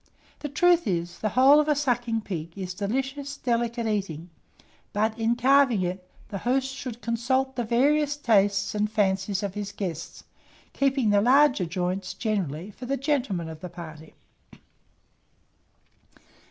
The truth is, the whole of a sucking pig is delicious, delicate eating; but, in carving it, the host should consult the various tastes and fancies of his guests, keeping the larger joints, generally, for the gentlemen of the party.